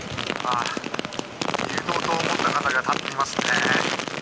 誘導灯を持った方が立っていますね。